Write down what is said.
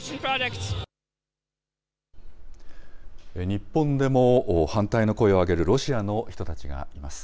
日本でも反対の声を上げるロシアの人たちがいます。